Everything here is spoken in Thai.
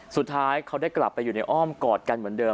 สุดท้ายเขาได้กลับไปอยู่ในอ้อมกอดกันเหมือนเดิม